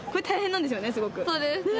そうですね。